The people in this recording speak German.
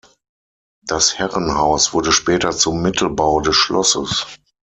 Das Herrenhaus wurde später zum Mittelbau des Schlosses.